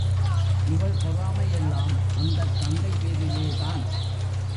இவள் பொறாமையெல்லாம் அந்தக் கங்கை பேரிலேதான்.